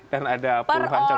dan ada puluhan calon